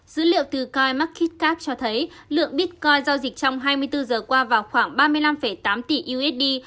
dữ liệu từ coinmarketcap cho thấy lượng bitcoin giao dịch trong hai mươi bốn giờ qua vào khoảng ba mươi năm tám tỷ usd